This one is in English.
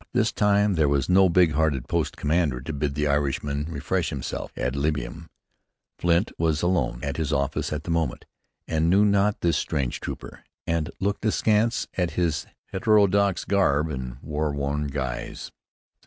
This time there was no big hearted post commander to bid the Irishman refresh himself ad libitum. Flint was alone at his office at the moment, and knew not this strange trooper, and looked askance at his heterodox garb and war worn guise.